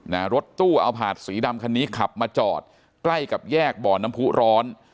รถตู้เอาผาดสีดำคันนี้ขับมาจอดใกล้กับแยกบ่อน้ำผู้ร้อน